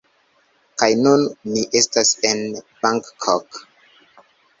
Kaj nun ni estas en Bangkok!